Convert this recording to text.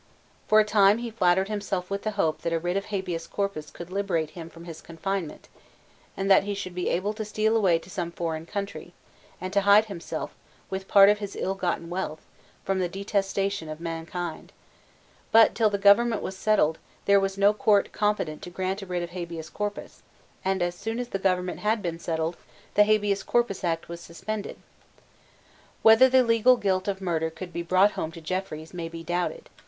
For a time he flattered himself with the hope that a writ of Habeas Corpus would liberate him from his confinement, and that he should be able to steal away to some foreign country, and to hide himself with part of his ill gotten wealth from the detestation of mankind: but, till the government was settled, there was no Court competent to grant a writ of Habeas Corpus; and, as soon as the government had been settled, the Habeas Corpus Act was suspended, Whether the legal guilt of murder could be brought home to Jeffreys may be doubted.